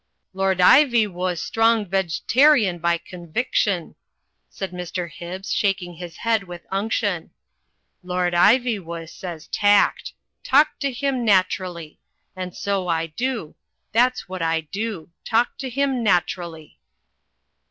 "Lord Ivywoo' strong veg'tarian by conviction," said Mr. Hibbs, shaking his head with unction. "Lord Ivywoo' says tact. Talk to him naturally. And so I do. That's what I do. Talk to him naturally."